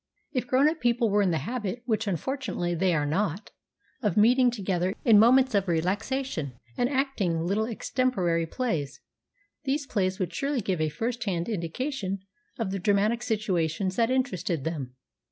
If grown up people were in the habit, which unfortunately they are not, of meeting together in moments of relaxation and acting little extemporary plays, these plays would surely give a first hand indication of the dramatic situations that interested them.